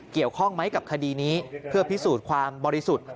เกี่ยวข้องไหมกับคดีนี้เพื่อพิสูจน์ความบริสุทธิ์